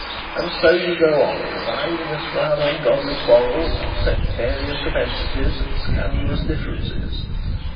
and so you go on reviling us for our ungodly quarrels, our sectarian propensities, and scandalous differences.